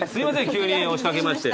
急に押し掛けまして。